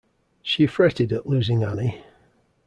She fretted at losing Annie.